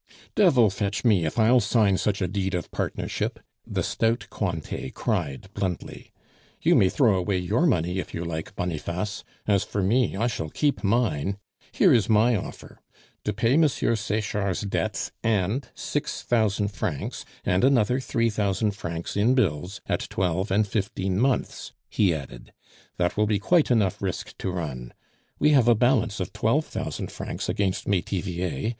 "Devil fetch me, if I'll sign such a deed of partnership!" the stout Cointet cried bluntly. "You may throw away your money if you like, Boniface; as for me, I shall keep mine. Here is my offer to pay M. Sechard's debts and six thousand francs, and another three thousand francs in bills at twelve and fifteen months," he added. "That will be quite enough risk to run. We have a balance of twelve thousand francs against Metivier.